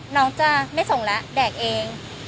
น้องจะไม่ส่งแล้วแดกเอง